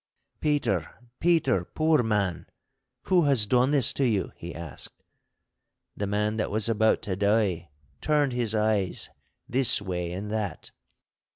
'Peter, Peter, poor man, who has done this to you?' he asked. The man that was about to die turned his eyes this way and that.